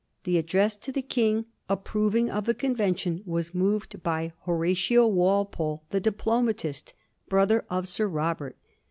The ad dress to the King approving of the convention was moved by Horatio Walpole, the diplomatist, brother of Sir Robert.